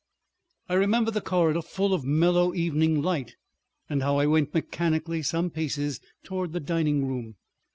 I remember the corridor full of mellow evening light, and how I went mechanically some paces toward the dining room.